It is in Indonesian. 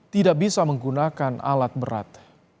tidak bisa menggunakan alat berat